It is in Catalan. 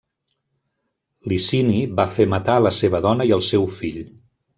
Licini va fer matar la seva dona i el seu fill.